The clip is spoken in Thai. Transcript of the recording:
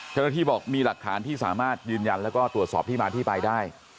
เจ้าหน้าที่บอกมีหลักฐานที่สามารถยืนยันแล้วก็ตรวจสอบที่มาที่ไปได้